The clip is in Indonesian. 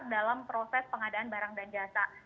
dalam proses pengadaan barang dan jasa